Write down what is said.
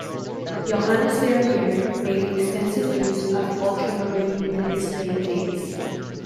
Johannes Vermeer made extensive use of ultramarine in his paintings.